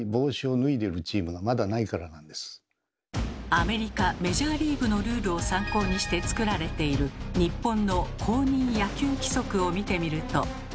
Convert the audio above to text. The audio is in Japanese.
アメリカメジャーリーグのルールを参考にして作られている日本の「公認野球規則」を見てみると。